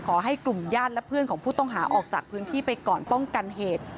ขอให้กลุ่มญาติและเพื่อนของผู้ต้องหาออกจากพื้นที่ไปก่อนป้องกันเหตุ